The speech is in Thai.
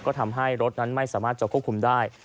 ก็ทำให้รถนั้นไม่สามารถจะควบคุมได้